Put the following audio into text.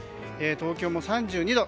東京も３２度。